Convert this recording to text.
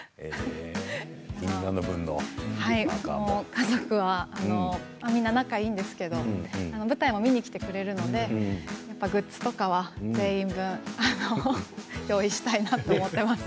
家族はみんな仲いいんですけど舞台も見に来てくれるのでやっぱりグッズとかは全員分用意したいなと思っています。